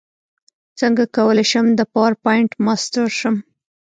څنګه کولی شم د پاورپاینټ ماسټر شم